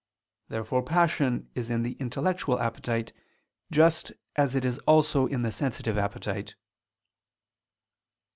Therefore passion is in the intellectual appetite, just as it is also in the sensitive appetite.